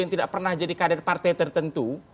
yang tidak pernah jadi kader partai tertentu